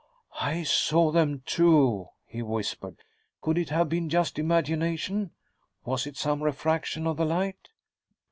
"I saw them, too," he whispered. "Could it have been just imagination? Was it some refraction of the light?"